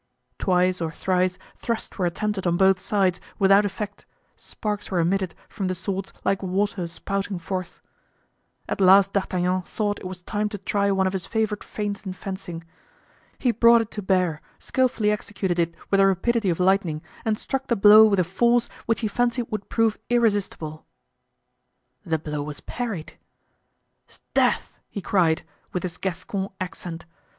Twice or thrice thrusts were attempted on both sides, without effect; sparks were emitted from the swords like water spouting forth. At last D'Artagnan thought it was time to try one of his favorite feints in fencing. He brought it to bear, skillfully executed it with the rapidity of lightning, and struck the blow with a force which he fancied would prove irresistible. The blow was parried. "'Sdeath!" he cried, with his Gascon accent.